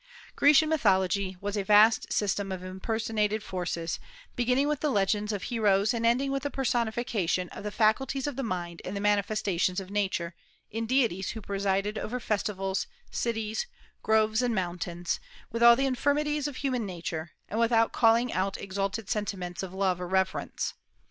Grecian mythology was a vast system of impersonated forces, beginning with the legends of heroes and ending with the personification of the faculties of the mind and the manifestations of Nature, in deities who presided over festivals, cities, groves, and mountains, with all the infirmities of human nature, and without calling out exalted sentiments of love or reverence.